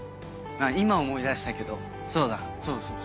今思い出したけどそうだそうそう。